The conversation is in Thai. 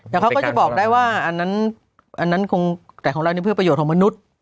แต่เขาก็จะบอกได้ว่าอันนั้นคงแต่ของเราเพื่อประโยชน์ของมนุษย์